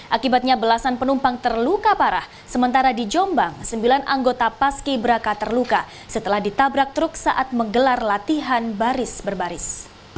akibatnya belasan penumpang terluka parah sementara di jombang sembilan anggota paski beraka terluka setelah ditabrak truk saat menggelar latihan baris berbaris